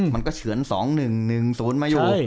มันก็เฉือน๒๑๑๐มาอยู่